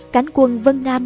cánh quân vân nam